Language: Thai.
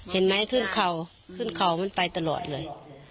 เห็นไหมขึ้นเขาขึ้นเขามันไปตลอดเลย